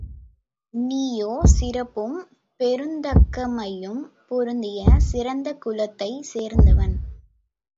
நீயோ சிறப்பும் பெருந்தகைமையும் பொருந்திய சிறந்த குலத்தைச் சேர்ந்தவன்.